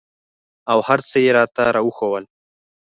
او هرڅه يې راته راوښوول.